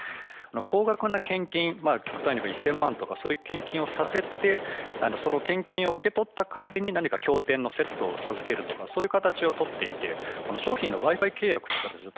高額な献金極端に１０００万円とかそういう献金をさせて献金を受け取った代わりに何か教典のセットを授けるとかそういう形をとっていて商品の売買契約という形を